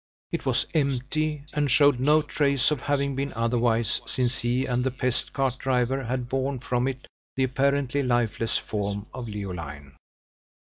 It was empty, and showed no trace of having been otherwise since he and the pest cart driver had borne from it the apparently lifeless form of Leoline.